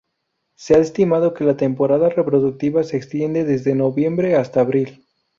Se ha estimado que la temporada reproductiva se extiende desde noviembre hasta abril.